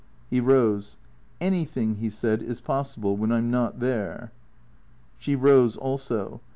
He rose. " Anything," he said, " is possible when I 'm not there." She rose also.